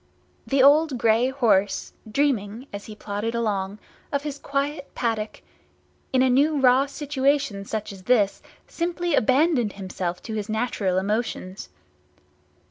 The old grey horse, dreaming, as he plodded along, of his quiet paddock, in a new raw situation such as this simply abandoned himself to his natural emotions.